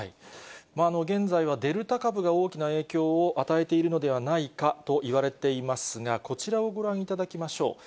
現在は、デルタ株が大きな影響を与えているのではないかといわれていますが、こちらをご覧いただきましょう。